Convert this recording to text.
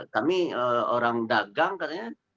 kami orang dagang katanya